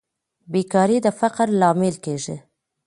بیکاري د فقر لامل کیږي